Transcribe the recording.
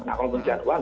nah kalau pencucian uang